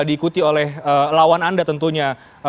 diikuti oleh lawan anda tentunya